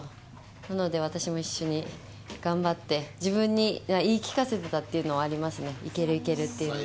なので私も一緒に頑張って自分に言い聞かせていたというのはありますねいける、いけるというので。